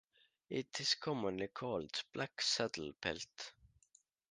It is commonly called black saddle pelt.